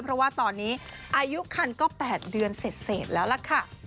เพราะว่าตอนนี้อายุคันก็๘เดือนเสร็จแล้วล่ะค่ะ